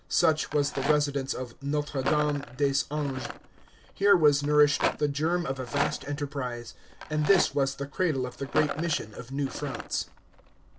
Such was the Residence of Notre Dame des Anges. Here was nourished the germ of a vast enterprise, and this was the cradle of the great mission of New France.